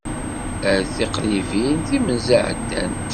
Ar tiqlibin, timenza ɛeddant!